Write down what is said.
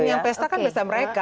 yang pesta kan pesta mereka